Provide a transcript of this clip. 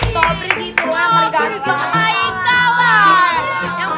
dobri gitu lah mereka